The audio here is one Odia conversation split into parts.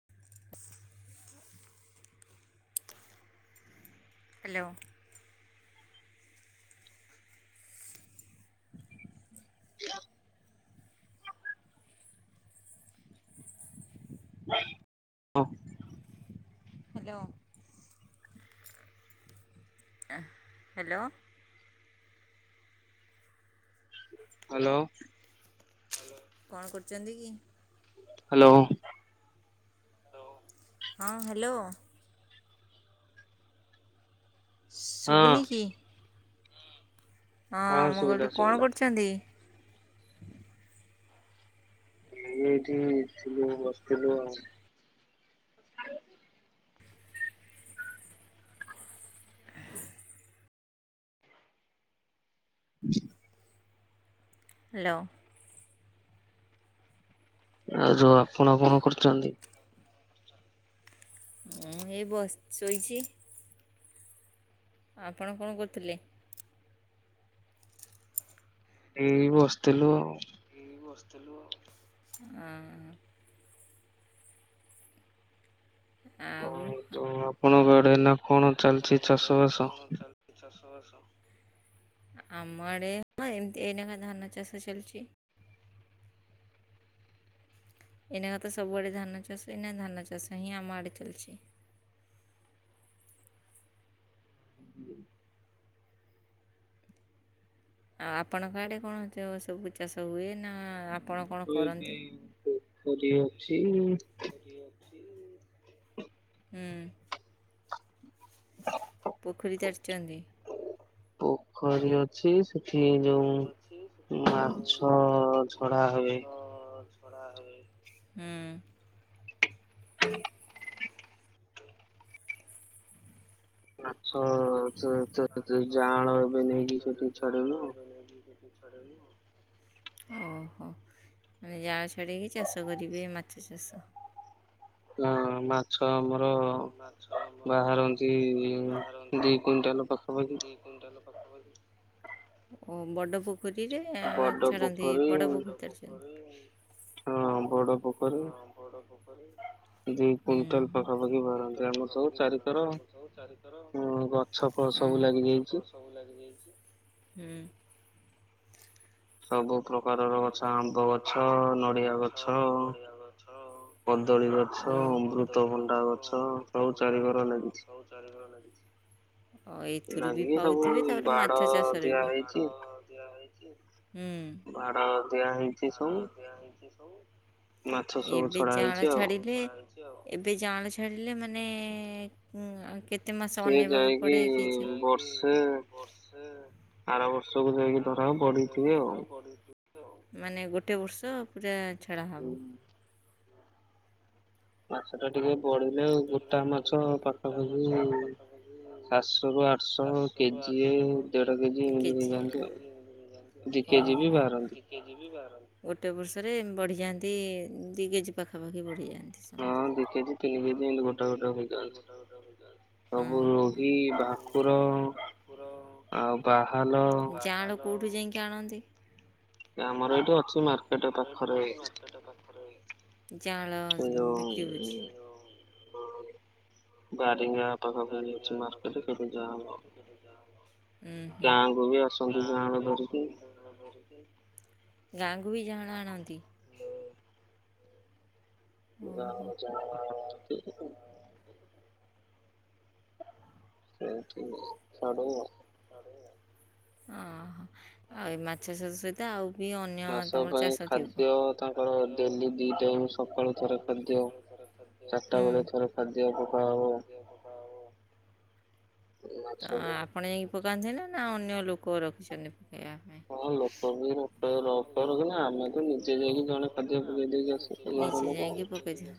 [inaudible] ହ୍ୟାଲୋ। [inaudible] [inaudible] ହଁ। ହ୍ୟାଲୋ। ଆଁ ହ୍ୟାଲୋ। ହ୍ୟାଲୋ। କଣ କରୁଛନ୍ତି କି? ହ୍ୟାଲୋ। ହଁ ହ୍ୟାଲୋ। ହଁ ଶୁବୁନି କି? ହଁ ମୁଁ ଶୁଭିଲା କହିଲି କଣ ଶୁଭିଲା। କରୁଛନ୍ତି? ଏଇଠି ଥିଲୁ ବସିଥିଲୁ ଆଉ [inaudible] ହ୍ୟାଲୋ। ଆଉ ଯୋଉ ଆପଣ କଣ କରୁଛନ୍ତି? ମୁଁ ଏ ବସ୍ ଶୋଇଛି। ଆପଣ କଣ କରୁଥିଲେ? ଏଇ ବସିଥିଲୁ ଆଉ। ଏ ବସିଥିଲୁ ଆଉ ଅ ହଁ। ଆଉ ହଁ ତ ଆପଣଙ୍କ ଆଡେ ନା କଣ ଚାଲିଛି ଚାଷ ବାସ। ଚାଷ ବାସ। ଆମ ଆଡେ ହଁ ଏମତି ଏଇନାକା ଧାନ ଚାଷ ଚାଲିଛି। ଏଇନାକା ତ ସବୁଆଡେ ଧାନ ଚାଷ ଏଇନା ଧାନ ଚାଷ ହିଁ ଆମ ଆଡେ ଚାଲିଛି। [inaudible] ଆଉ ଆପଣଙ୍କ ଆଡେ କଣ ଚ ସବୁ ଚାଷ ହୁଏ ନା ଆ ତ ଏବେ [unintelligible] ପୋଖରୀ ଅଛି। କରି ଅଛି। ହୁଁ। ପୋଖରୀ ଚାରିଛନ୍ତି। ପୋଖରୀ ଅଛି। ସେଠି ପୋଖରୀ ଅଛି ଯୋଉ ସେଠି ଯେଉଁ ମାଛ ଝଡା ହୁଏ। ଝଡ଼ା ହୁଏ ହୁଁ। [inaudible] ମାଛ ଯୋଉ ଯୋଉ ମାଛ ଯାଆଁଳ ଏବେ ନେଇକି ସେଠି ଜାଆଁଳ ଛାଡିବୁ ଏବେ [unintelligible] ଓହୋ ମାନେ ଯାଁଳ ଛାଡ଼କି ଚାଷ କରିବେ ମାଛ ଚାଷ। ହଁ ମା ଛ ଆମର ହଁ ମାଛ ଆମର ବାହାରନ୍ତି ବାହାରନ୍ତି ଦୁଇ କୁଇଣ୍ଟାଲ ପାଖାପାଖି। ଦୁଇ ଓ ବଡ଼ ପୋ ପୋଖରୀରେ ବଡ ଛାଡ଼ନ୍ତି ପୋଖରୀ ବଡ଼ ପୋଖରୀ କରିଛନ୍ତି? ହଁ ବଡ ପୋଖରୀ। ହଁ ବଡ଼ ପୋଖରୀ। ଦି ହୁଁ। କୁଇଣ୍ଟାଲ ଦି ପାଖାପାଖି କୁଇଣ୍ଟାଲ ବାହାରନ୍ତି ଆମର ସବୁ ପାଖାପାଖି ବାହାରନ୍ତି ଚାରିଥର ଆମ ସବୁ ଚାରିକର ଉଁ ଗ ଛ ଫଳ ସବୁ ଗଛ ଫଛ ଲାଗିଯାଇଚି। ସବୁ ଲାଗିଯାଇଚି। ହୁଁ। ସବୁ ପ୍ରକାରର ଗଛ ସବୁ ପ୍ରକାରର ଆମ୍ବଗଛ, ନଡିଆଗଛ ତାଳଗଛ। କଦଳୀ ଅମୃତଭଣ୍ଡା ଗଛ, ସବୁ ଅମୃତଭଣ୍ଡା ଚାରିକର ଗଛ ଲାଗିଛି। ସବୁ ଚାରିକର ଲାଗିଛି। ଏଇଥିରୁ ବି ଲାଗିକି ସବୁ ପାଉଥିବେ ତାପରେ ବାଡ ମାଛ ଚାଷରୁ ଦିଆ ବି। ହେଇଛି। ଦିଆ ହେଇଛି। ହୁଁ। ବାଡ଼ ଦିଆ ହେଇ ମାଛ ସବୁ ଏବେ ଛଡା ଯାଆଁଳ ହେଇଛି ଆଉ। ଛାଡିଲେ? ଏବେ ଯାଁଳ ଛାଡିଲେ ମାନେ ଉଁ କେ କେତେ ମାସ ସିଏ ଅନେଇବାକୁ ଯାଇକି ପଡେ କିଛି ବର୍ଷେ ଆର ବର୍ଷକୁ ଯାଇକି ଧରା ବଢିଥିବେ ଧରା ଆଉ। ପଡ଼ିଯିବ ମାନେ ଗୋଟେ ବର୍ଷ ପୂରା ହୁଁ, ଛଡାହବ। ମାଛ ଟା ଟିକେ ବଢିଲେ ମାଛଟା ଟିକେ ଗୋଟା ମାଛ ବଢିଲେ ଗୋଟା ପାଖାପାଖି ମାଛ ପାଖାପାଖି ଚାରିସ। ସାତଶହ ରୁ ଆଠଶହ ସବୁ କେଜିଏ ଆଠଶହ ଦେଢ କେଜି କେଜିଏ ଦେଢ଼ ଏମିତି କେଜି ହେଇଯାଆନ୍ତି ଆଉ। ଏମିତି ନେଇଯାନ୍ତି ଦି କେଜି ବି ଆଉ। ବାହାରନ୍ତି ଗୋଟେ ବର୍ଷରେ ବଢିଯାନ୍ତି ଦି କେଜି ପାଖାପାଖି ବଢିଯାଆନ୍ତି। [unintelligible] କିଳିକିଆ ଦିକିଲି ଗୋଟା ଗୋଟା ଚେଞ୍ଜ ହେଇଛି ଏମିତି ହୋଇଯାନ୍ତି ଗୋଟା ଗୋଟା ହେଇଯାଉଛି। ସବୁ ଉଁ ହୁଁ। ରୋହି ସବୁ ଭାକୁର ଅ ଭାକୁର ଆଉ ବାହାଲ କଉଠୁ ଯାଇକି ଆଣନ୍ତି? ଆମର ଏଇଠେ ଅ ଆମର ଏଠି ଅଛି ମାର୍କେଟ ପାଖରେ। ଜାଆଁଳ ବିକ୍ରି ହଉଛି। ହ ବାରୀଙ୍ଗା ଆପ ବାରିଙ୍ଗା ହାଟ ପାଖରେ ଅଛି ମାର୍କେଟ [unintelligible] ଗାଁକୁ ବି ଆସନ୍ତି ଗାଁକୁ ଯାଆଁଳ ବି ଆସେ। ଧରିକି। ଗାଁକୁ ବି ଯାଆଁଳା ଆଣନ୍ତି। ଓହୋ। ଗାଁକୁ ଜାଆଁଳ ଆଣନ୍ତି। ସେଇଠୁ ସାଡ଼ୁ। ଓହୋ ଆଉ ଏ ମାଛ ସତ ତ ଆଉ ବି ଅନ୍ୟ ଘାସ ତମର ପାଇଁ ଚାଷ ଥିବ। ଖାଦ୍ୟ ଥରେ ତାଙ୍କର ଖାଦ୍ୟ ହୁଁ ଡେଲି ଦି ଟାଇମ୍ ଚାରିଟା ସକାଳୁ ଥରେ ଖାଦ୍ୟ ଚାରିଟା ବେଳେ ଥରେ ଖାଦ୍ୟ ବେଳେ ପକାହବ ଥରେ ଖାଦ୍ୟ ପକାହବ। ତ ମାଛକୁ ଆପଣ ଯାଇକି ପକାନ୍ତି ନା ନା ଅନ୍ୟ ଲୋକ ରଖିଛନ୍ତି ପକେଇବା ହଁ ଲୋକ ବି ର ରବାର ଲୋକ ଦିନ ବି ଆମେ ତ ଲୋକ ନିଜେ ଯାଇକି ଲୋକ ଜଣେ ଖାଦ୍ୟ ରଖିଛନ୍ତି ପକେଇ ଦେଇକି ଆସୁ ଘର ଲୋକ।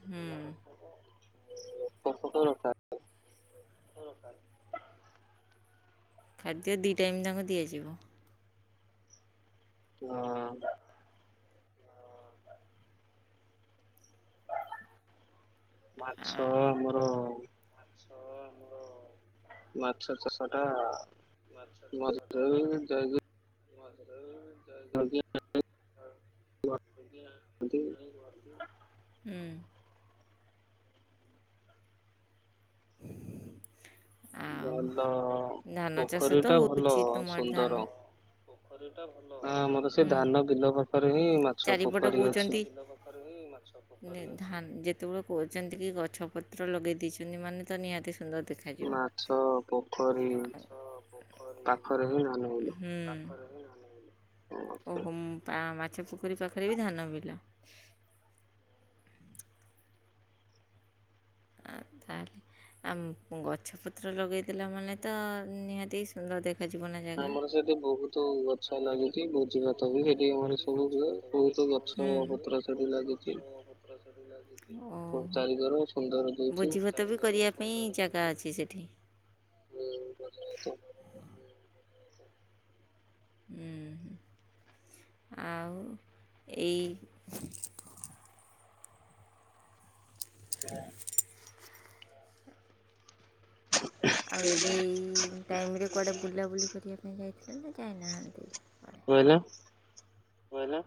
ହୁଁଉଁ। ପ୍ରକୁତ ରଥା। ଫରକାର [inaudible] ଖାଦ୍ୟ ଦି ଟାଇମ୍ ତାଙ୍କୁ ଦିଆଯିବ। ହଁ ଅଁ। ଆ ମାଛ ଆମର ମାଛ ଆମର ମାଛ ଚାଷଟା [inaudible] ଯାଇକି ମାସରେ [inaudible] [inaudible] ହୁଁ। ଆଉ ଭଲ ଧାନଚାଷ ପୋଖରୀ ତ ଟା ଭଲ ହଉଚି ତୁମର ଧାନ। ସୁନ୍ଦର ଆ ଆମର ସେ ଧାନ ବିଲ ପାଖରେ ହିଁ ମାଛ ଚାରିପଟ ପୋଖରୀ ଅଛି। କହୁଛନ୍ତି ଧାନ ଯେତେବେଳେ କହୁଛନ୍ତି କି ଗଛ ପତ୍ର ଲଗେଇ ଦେଇଛନ୍ତି ମାନେ ତ ନିହାତି ସୁନ୍ଦର ଦେଖାଯିବ ମାଛ ପୋଖରୀ ପାଖରେ ହିଁ ଧାନ ବିଲ। ହୁଁ ଓହୋ ମାଛ ପୋଖରୀ ପାଖରେ ବି ଧାନ ବିଲ। ହଁ ତାହେଲେ ଆମ୍ ଗଛ ପତ୍ର ଲଗେଇ ଦେଲା ମାନେ ତ ନିହାତି ସୁନ୍ଦର ଦେଖ ଖା ଯିବନା ଯା ଆମର ସେଇଠି ବହୁତୁ ଗ ଗଛ ସେଠି ଲାଗିଚି ବହୁତ ଭୋଜି ଭାତ ବି ଗଛ ସେଠି ମାନେ ଲାଗୁଛି ସବୁ ହୁଏ ଭୋଜିଭାତ ବି ସେଠି ବହୁତ ଆମର ଗଛ ସବୁ ହୁଏ। ପତ୍ର ସେଠି ବହୁତ ଗଛ ଲାଗିଛି। ଓହୋ ପତ୍ର ବୁଝିଗଲି। ଚାରିକର ସୁନ୍ଦର ଦେଇଛି। [unintelligible] କରିବା ପାଇଁ ଜାଗା ଅଛି ସେଇଠି। [inaudible] ହୁଁ ଆଉ ଏଇ [unintelligible] ଆଉ ଏବେ ଏଇ ଟାଇମରେ କୁଆଡ଼େ ବୁଲାବୁଲି କରିବା ପାଇଁ ଯାଇଥିଲେ ନା ଯାଇନାହାନ୍ତି କୁଆଡେ? [unintelligible] [unintelligible] ମୁଁ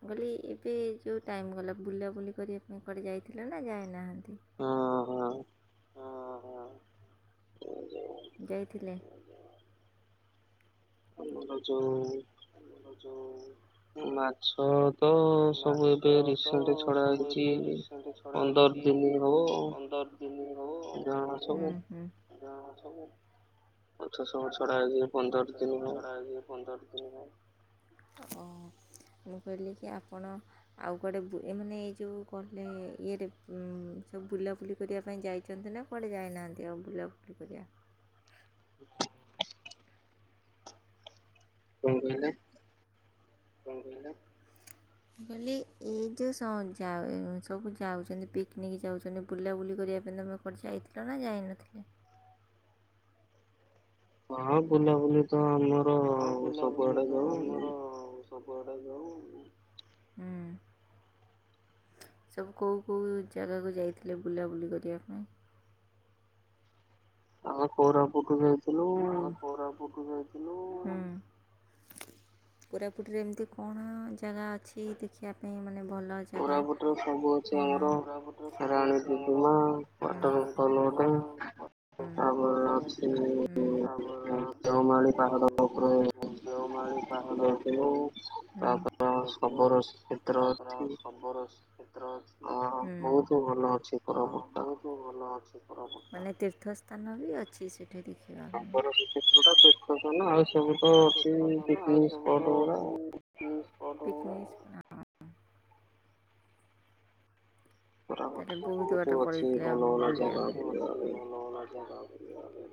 କହିଲି ଏବେ ଯେଉଁ ଟାଇମ୍ ଗଲା ବୁଲାବୁଲି କରିବା ପାଇଁ କୁଆଡ଼େ ଯାଇଥିଲେ ନା ଯାଇନାହାନ୍ତି? ହଁ-ହଁ। ହଁ ହଁ। [inaudible] ଯାଇଥିଲେ? ଆମର ଯୋଉ ଆମର ଯୋଉ ମାଛ ତ ସବୁ ମାଛ ଏବେ ରିସେଣ୍ଟ ଛଡା ହେଇଚି ସେଠି ଛଡା ହେଇଚି ପନ୍ଦର ଦିନ ହବ ଜଣ ସବୁ ହୁଁ-ହୁଁ। ଗାଁ ସବୁ ମାଛ ସବୁ ଛଡା ହେଇଛି। ପନ୍ଦର ମାଛ ଦିନ ସବୁ ହବ। ଛଡ଼ା ହେଇଚି ପନ୍ଦର ଦିନ ହେଲାଣି। ଓ ମୁଁ କହିଲି କି ଆପଣ ଆଉ କୁଆଡେ ଏମାନେ ଏଯୋଉ କହିଲେ ଇଏରେ ସବୁ ବୁଲାବୁଲି କରିବା ପାଇଁ ଯାଇଛନ୍ତି ନା? କୁଆଡ଼େ ଯାଇନାହାନ୍ତି ଆଉ ବୁଲାବୁଲି କରିଆ କଣ କହିଲେ? କଣ କହିଲେ? ମୁଁ କହିଲି ଏଇ ଯୋଉ ସବୁ ଯାଉଛନ୍ତି ପିକନିକ୍ ଯାଉଛନ୍ତି ବୁଲାବୁଲି କରିବା ପାଇଁ ତମେ କୁଆଡେ ଯାଇଥିଲେ ନା ଯାଇନଥିଲେ? ହଁ ବୁଲାବୁଲି ତ ଆମର ହଁ ବୁଲାବୁଲି ସବୁଆଡେ ତ ଯାଉ। ଆମର ସବୁଆଡେ ଯାଉ ହୁଁ। ସବୁ କୋଉ କୋଉ ଜାଗାକୁ ଯାଇଥିଲେ ବୁଲାବୁଲି କରିବା ପାଇଁ? ଆଉ କୋରାପୁଟ ଯାଇଥିଲୁ ଆମେ କୋରାପୁଟ ଯାଇଥିଲୁ, ହୁଁ। କୋରାପୁଟରେ ଏମିତି କଣ ଜାଗା ଅଛି ଦେଖିବା ପାଇଁ ମାନେ ଭଲ ଜାଗା କୋରାପୁଟରେ ସବୁ ଅଛି କଣ, ଆମର କୋରାପୁଟରେ ସବୁ ରାଣୀ ଅଛି ଆମର ଡୁଡୁମା ୱାଟର ଫଲ୍ ଗୋଟେ ରା [unintelligible] ତାପରେ ଅଛି ହୁଁ ତାପରେ ଦେଓମାଳି ପାହାଡ ଅଛି ଉପରେ ଦେଓମାଳି ପାହାଡ ଯାଇଥିଲୁ ଉପରେ ତାପରେ ହୁଁ ଦେଖିଲୁ ଶବର କ୍ଷେତ୍ର ତାପରେ ଅଛି। ସମ୍ବର କ୍ଷେତ୍ର ଅଛି ଅ ବହୁତ ଭଲ ଅଛି ହୁଁ ଆଉ କୋରାପୁଟ ଟା। ମୁଁ ଭଲ ଅଛି ମାନେ ତୀର୍ଥ ସ୍ଥାନ ବି ଅଛି ସେଠି ଦେ ଖିବା ଶବର ଶ୍ରୀକ୍ଷେତ୍ର ଟା ତୀର୍ଥସ୍ଥାନ ଆଉ ସବୁ ତ ଅଛି ପାଇଁ [inaudible] ଆଉ ପିକନିକ ସବୁ ସ୍ପଟ ତ ଗୁଡା। ଅଛି। ପିକନିକ ସ୍ପଟ ତାହେଲେ କୋରାପୁଟରେ ବହୁତ ବାଟ ଅଛି ପଳେଇଥିଲେ ଭଲ ଭଲ ଆପଣ ଜାଗା ବୁଲିବା ପାଇଁ। ପାଇଁ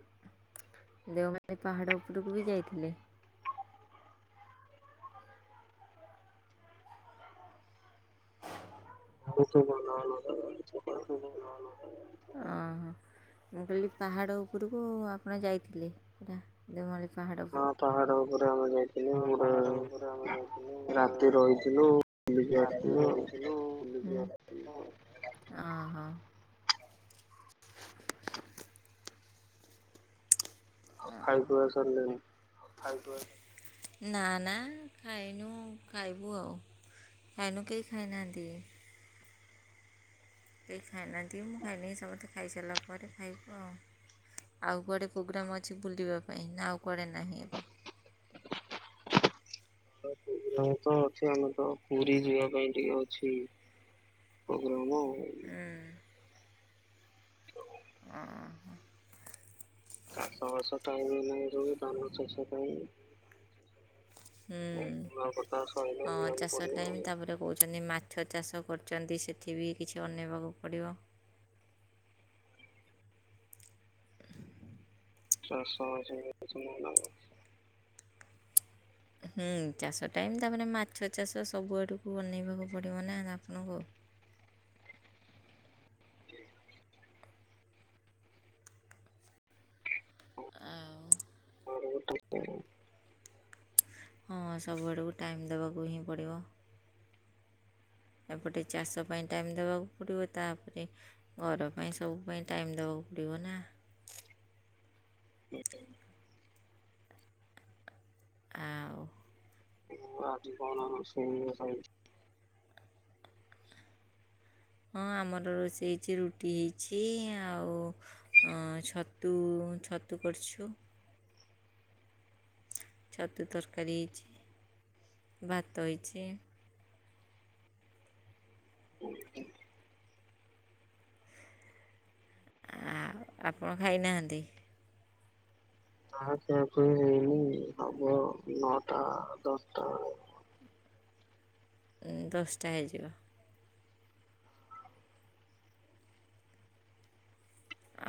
ଦେଓମାଳି ପାହାଡ଼ ଉପରକୁ ବି ଯାଇଥିଲେ। [unintelligible] [unintelligible] ଓହୋ। ମୁଁ କହିଲି ପାହାଡ଼ ଉପୁରୁକୁ ଆପଣ ଯାଇଥିଲେ ପୁରା ଦେଓମାଳି ପାହାଡ଼ ଉପରକୁ। ପୁରା ହଁ ଯାଇ ହଁ ପାହାଡ଼ ଉପରେ ଆମେ ଯାଇଥିଲୁ ପୁରା ରାତି ରହିଥିଲୁ ବୁଲିକି ରାତି ଆସିଥିଲୁ ରହିଥିଲୁ ବୁଲିକି ଆସିଥିଲୁ, ଓହୋ। ଖାଇ ଖୁଆ ସାରିଲେଣି? ଖାଇ ଖୁଆକି ନା ନା ଖାଇନୁ ଖାଇବୁ ଆଉ। ଖାଇନୁ କେହି ଖାଇନାହାନ୍ତି। କେହି ଖାଇନାହାନ୍ତି ମୁଁ ଖାଇନି ସମସ୍ତେ ଖାଇସାରିଲା ପରେ ଖାଇବୁ ଆଉ। ଆଉ କୁଆଡ଼େ ପୁଗ୍ରାମ୍ ଅଛି ବୁଲିବା ପାଇଁ ନା ଆଉ କୁଆଡ଼େ ନାହିଁ ଏବେ? [unintelligible] ଅଛି ଆମେ ତ ପୁରୀ ଯିବା ପାଇଁ ଟିକେ ଅଛି। ପୋଗ୍ରାମ ଆଉ। ହୁଁ ଆ ହ। ଚାଷ ବାସ ଟାଇମ ଏଇନାକେ ସବୁ ଯୋଉ ଧାନ ଚାଷ ଟାଇମି ହୁଁ ରୁଆ ପୋତା ସଇଲାଣି ଯିବାକୁ ଚାଷ ପଡ଼ିବ ଟାଇମ୍ ଆଉ। ତା'ପରେ କହୁଛନ୍ତି ମାଛ ଚାଷ କରୁଛନ୍ତି ସେଠି ବି କିଛି ଅନେଇବାକୁ ପଡ଼ିବ। ଚାଷ ବାସ [unintelligible] ହୁଁ ଚାଷ ଟାଇମ ତା ମାନେ ମାଛ ଚାଷ ସବୁ ଆଡ଼କୁ ଅନେଇବାକୁ ପଡ଼ିବ ନା ଆପଣଙ୍କୁ। ଆଉ। [unintelligible] ହଁ ସବୁଆଡ଼କୁ ଟାଇମ୍ ଦବାକୁ ହିଁ ପଡ଼ିବ। ଏପଟେ ଚାଷ ପାଇଁ ଟାଇମ ଦେବାକୁ ପଡ଼ିବ ତାପରେ ଘର ପାଇଁ ସବୁ ପାଇଁ ଟାଇମ୍ ଦେବାକୁ ପଡ଼ିବ ନା। [unintelligible] ଆଉ। ମୁଁ ଆଜି କଣ ରୋଷେଇ [unintelligible] ହଁ ଆମର ରୋଷେଇ ଇଚି ରୁଟି ହେଇଛି ଆଉ ଅ ଛତୁ ଛତୁ କରିଛୁ। ଛତୁ ତରକାରୀ ହେଇଛି ଭାତ ହେଇଛି। ଆଉ ଆପଣ ଖାଇନାହାନ୍ତି? ନା ଖିଆ ଖୁଇ ହେଇନି ହବ ନଅଟା ଦଶଟା ଏଳେ। ଏ ଦଶଟା ହେଇଯିବ।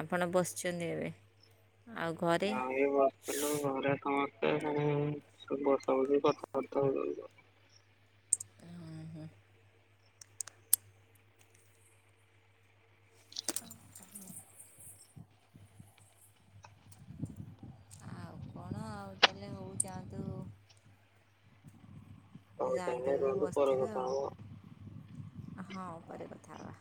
ଆପଣ ବସିଛନ୍ତି ଏବେ ଆଉ ଘରେ ଆମେ ଏଇ ବସିଥିଲୁ ଘରେ କନ [unintelligible] ହୁଁ ବସା ବୁସି କଥା ବାର୍ତ୍ତା ହେଉ ଉଁହୁ। ଆଉ କଣ ଆଉ ତାହେଲେ ହଉ ଯାଆନ୍ତୁ। ହଉ ଯାଆନ୍ତୁ ତାହେଲେ ଏବେ ରୁହନ୍ତୁ ପରେ ବସିଥିବେ କଥା ହବା। ଆଉ ହଁ ପରେ କଥା ହବା।